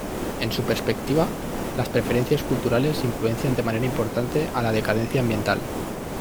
En su perspectiva, las preferencias culturales influencian de manera importante a la decadencia ambiental.